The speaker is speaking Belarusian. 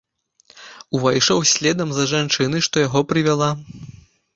Увайшоў следам за жанчынай, што яго прывяла.